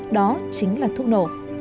đó chính là thuốc nổ